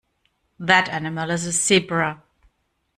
That animal is a Zebra.